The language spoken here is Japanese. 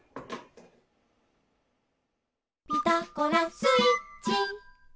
「ピタゴラスイッチ」